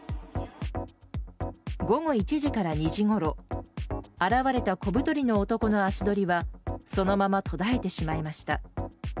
午後１時から２時ごろ現れた小太りの男の足取りはそのまま途絶えてしまいました。